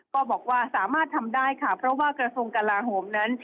ก็บอกว่าสามารถทำได้ค่ะเพราะว่ากระทรวงกลาโหมนั้น